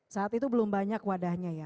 saat itu belum banyak wadahnya ya